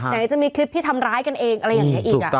ไหนจะมีคลิปที่ทำร้ายกันเองอะไรอย่างนี้อีก